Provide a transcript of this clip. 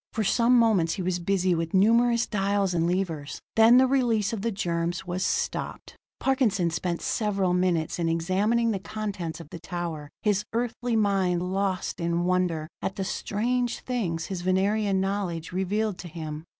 For some moments he was busy with numerous dials and levers; then the release of the germs was stopped. Parkinson spent several minutes in examining the contents of the tower, his Earthly mind lost in wonder at the strange things his Venerian knowledge revealed to him.